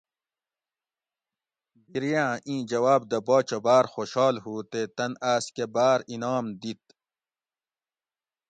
بِریاۤں اِیں جواب دہ باچہ باۤر خوشال ہُو تے تن آۤس کہ باۤر انعام دِیت